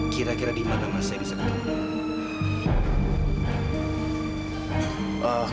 kira kira dimana mas saya bisa tahu